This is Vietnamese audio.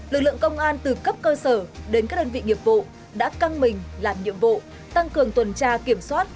lực lượng công an từ cấp cơ sở đến các đơn vị nghiệp vụ đã căng mình làm nhiệm vụ tăng cường tuần tra kiểm soát